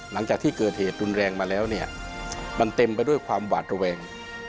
หลังจากที่เกิดเหตุรุนแรงมาแล้วเนี่ยมันเต็มไปด้วยความหวาดระแวง